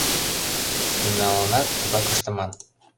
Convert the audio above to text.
Мемналанат тугак ыштыман.